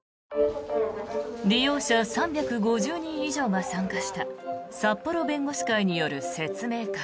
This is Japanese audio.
利用者３５０人以上が参加した札幌弁護士会による説明会。